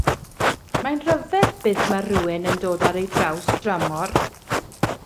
Mae'n rhyfedd be ma' rhywun yn dod ar ei draws dramor.